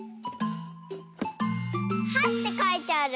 「は」ってかいてある。